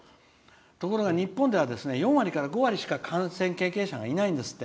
ところが日本では４割から５割しか感染経験者がいないんですって。